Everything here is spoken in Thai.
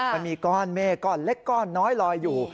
มันมีก้อนเมฆก้อนเล็กก้อนน้อยลอยอยู่